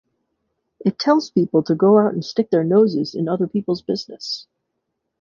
It tells people to go out and stick their noses in other people's business.